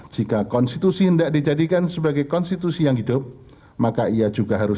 jika konstitusi tidak dijadikan sebagai konstitusi yang hidup maka ia juga harus